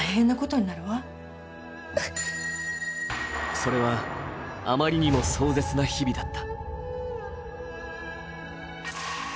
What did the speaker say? それは、あまりにも壮絶な日々だった。